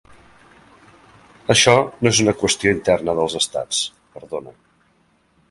Això no és una qüestió interna dels estats, perdona.